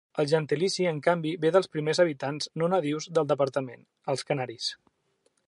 El gentilici, en canvi, ve dels primers habitants no nadius del departament, els canaris.